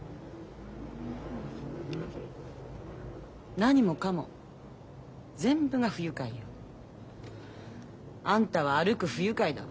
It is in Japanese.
何もかも全部が不愉快よ。あんたは歩く不愉快だわ。